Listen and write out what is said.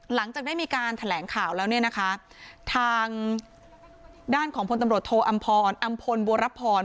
หลังจากได้มีการแถลงข่าวแล้วเนี่ยนะคะทางด้านของพลตำรวจโทอำพรอำพลบัวรพร